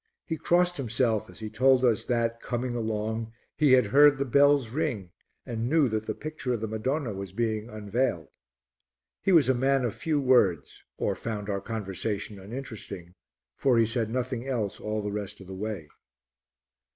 He crossed himself as he told us that, coming along, he had heard the bells ring and knew that the picture of the Madonna was being unveiled. He was a man of few words, or found our conversation uninteresting, for he said nothing else all the rest of the way.